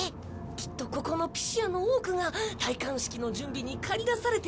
きっとここのピシアの多くが戴冠式の準備に駆り出されているんですよ。